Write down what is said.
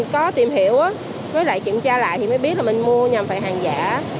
có tìm hiểu với lại kiểm tra lại thì mới biết là mình mua nhằm phải hàng giả